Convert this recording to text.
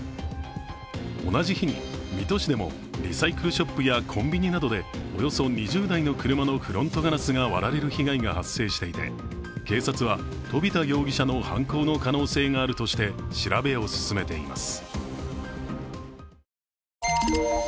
同じ日に水戸市でもリサイクルショップやコンビニなどでおよそ２０台の車のフロントガラスが割られる被害が発生していて、警察は飛田容疑者の犯行の可能性があるとして調べを進めています。